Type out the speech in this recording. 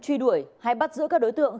truy đuổi hay bắt giữ các đối tượng